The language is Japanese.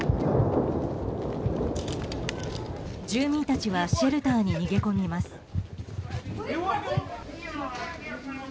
住人たちはシェルターに逃げ込みます。